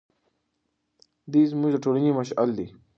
دی زموږ د ټولنې مشعل دی.